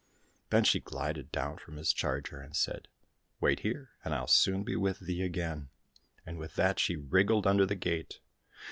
Then she glided down from his charger and said, " Wait here, and I'll soon be with thee again," and with that she wriggled under the gate.